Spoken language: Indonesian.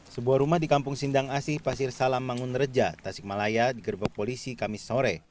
sebuah rumah di kampung sindang asih pasir salam mangun reja tasikmalaya digerbek polisi kamis sore